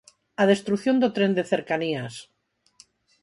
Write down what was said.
A destrución do tren de cercanías.